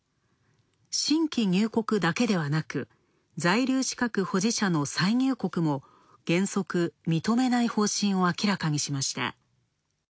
新規入国だけではなく、在留資格保持者の再入国も原則、認めない方針を明らかにしました。